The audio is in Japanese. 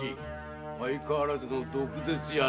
相変わらずの毒舌じゃな。